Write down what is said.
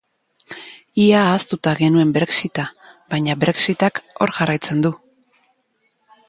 Ia ahaztuta genuen brexit-a, baina brexit-ak hor jarraitzen du.